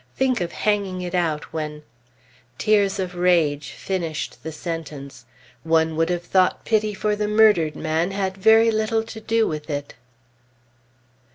Think of hanging it out when " Tears of rage finished the sentence. One would have thought pity for the murdered man had very little to do with it.